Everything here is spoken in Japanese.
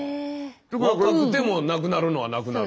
若くてもなくなるのはなくなる。